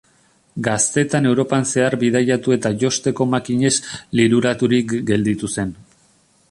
Gaztetan Europan zehar bidaiatu eta josteko makinez liluraturik gelditu zen.